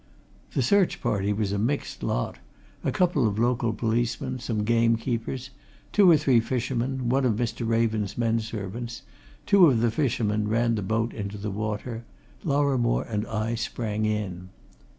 The search party was a mixed lot a couple of local policemen, some gamekeepers, two or three fishermen, one of Mr. Raven's men servants. Two of the fishermen ran the boat into the water; Lorrimore and I sprang in.